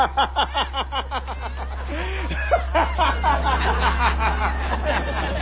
ハハハハハハッ！